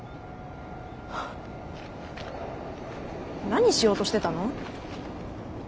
何しようとしてたの？